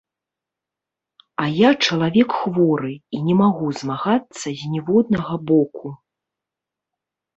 А я чалавек хворы і не магу змагацца з ніводнага боку.